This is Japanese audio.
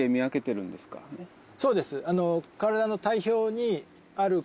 そうです。